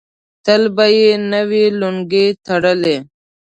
تل به یې نوې لونګۍ تړلې.